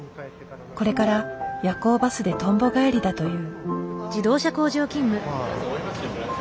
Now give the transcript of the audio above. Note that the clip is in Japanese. これから夜行バスでとんぼ返りだという。